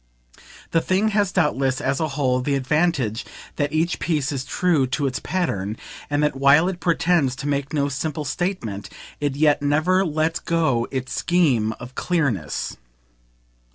The thing has doubtless, as a whole, the advantage that each piece is true to its pattern, and that while it pretends to make no simple statement it yet never lets go its scheme of clearness.